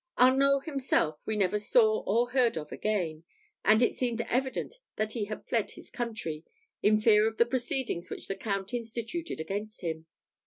Arnault himself we never saw or heard of again; and it seemed evident that he had fled his country, in fear of the proceedings which the Count instituted against him.